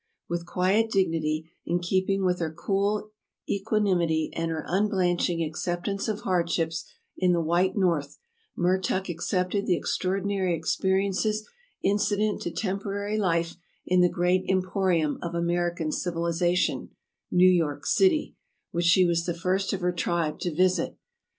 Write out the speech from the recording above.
With quiet dignity, in keeping with her cool equa nimity and her unblanching acceptance of hardships in the Vv^hite North, Mertuk accepted the extraordinary experiences incident to temporary life in the great emporium of American civilization — New York City — which she was the first of her tribe to visit.